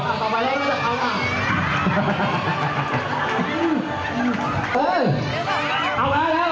อ่ะต่อไปเร่งก็จะเข้าล่ะ